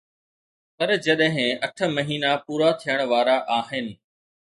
پر جڏهن اٺ مهينا پورا ٿيڻ وارا آهن.